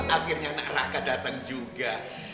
akhirnya anak raka datang juga